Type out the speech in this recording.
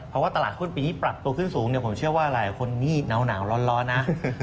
เพราะว่าตลาดหุ้นปีนี้ปรับตัวขึ้นสูงผมเชื่อว่าหลายคนนี่หนาวร้อนนะ